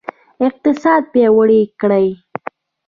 اقتصاد پیاوړی کړئ